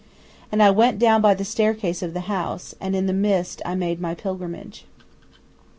And I went down by the staircase of the house, and in the mist I made my pilgrimage.